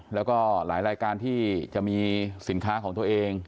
แล้วก็หลายรายการที่จะมีสินค้าของตัวเอง